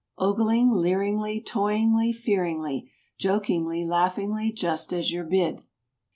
°g lin gly> leeringly, Toyingly, fearingly, Jokingly, laughingly, just as you're bid.